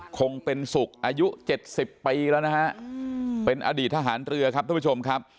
คงเป็นสุขอายุ๗๐ปีแล้วนะฮะเป็นอดีตทหารเรือครับท่านผู้ชมครับ